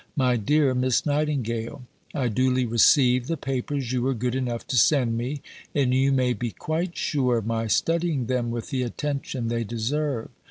MY DEAR MISS NIGHTINGALE I duly received the papers you were good enough to send me, and you may be quite sure of my studying them with the attention they deserve.